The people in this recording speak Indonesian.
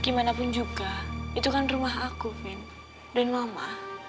gimana pun juga itu kan rumah aku vin dan mama